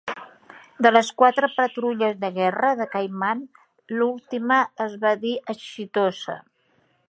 De les quatre patrulles de guerra de "Caiman", l'última es va dir "exitosa".